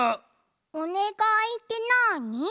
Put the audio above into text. おねがいってなに？